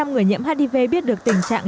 chín mươi người nhiễm hiv biết được tình trạng